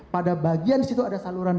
pada bagian situ ada saluran